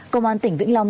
công an tỉnh vĩnh long